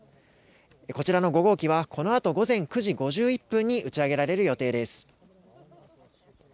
こちらの５号機は、このあと午前９時５１分に打ち上げられる予定です。